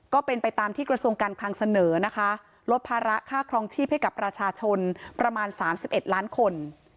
ก็เป็นไปตามที่กระทรวงการคลังเสนอนะคะลดภาระค่าครองชีพให้กับประชาชนประมาณ๓๑ล้านคน